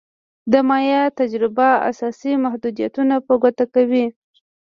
د مایا تجربه اساسي محدودیتونه په ګوته کوي.